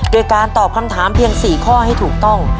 โดยการตอบคำถามเพียง๔ข้อให้ถูกต้อง